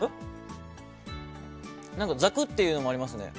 何かざくっていうのもありますね。